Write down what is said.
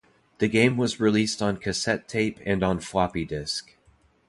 The game was released on cassette tape and on floppy disk.